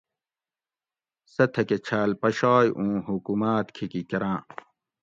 "سہ تھکہۤ چھال پشائ اوُں حکوماۤت کھیکی کۤراۤں"""